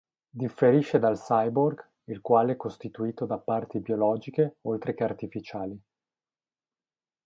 Differisce dal "cyborg", il quale è costituito da parti biologiche oltre che artificiali.